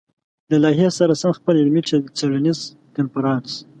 له لايحې سره سم خپل علمي-څېړنيز کنفرانس